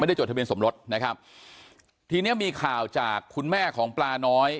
จดทะเบียนสมรสนะครับทีเนี้ยมีข่าวจากคุณแม่ของปลาน้อย